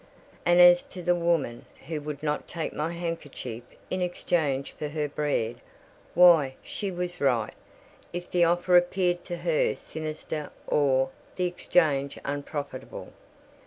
And as to the woman who would not take my handkerchief in exchange for her bread, why, she was right, if the offer appeared to her sinister or the exchange unprofitable.